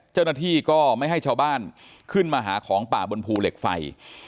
เจ้าหน้าที่ก็ไม่ให้ชาวบ้านขึ้นมาหาของป่าบนภูเหล็กไฟ